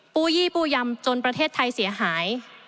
ปูยี่ปู้ยำจนประเทศไทยเสียหาย